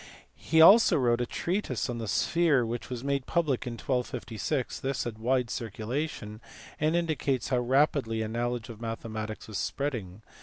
He also wrote a treatise on the sphere which was made public in 1256: this had a wide circulation, and in dicates how rapidly a knowledge of mathematics was spreading.